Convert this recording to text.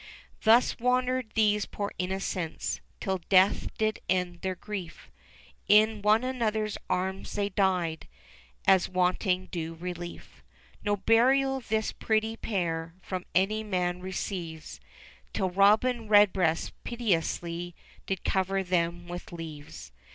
Thus wandered these poor innocents, Till death did end their grief; In one another's arms they died, As wanting due relief : No burial this pretty pair From any man receives, Till Robin Redbreast piously Did cover them with leaves.